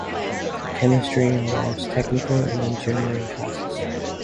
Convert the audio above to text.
Chemistry involves technical and engineering classes.